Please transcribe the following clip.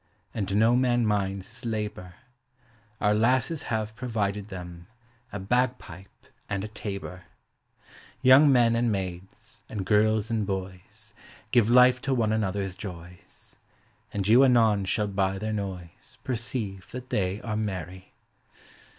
And no man minds bis labor; Our lasses have provided them A bagpipe and a tabor; Digitized by Google THE HOME. 331 Young men and maids, and girls and boys, Give life to one another's joys; And you anon shall by their noise Perceive that they are merry.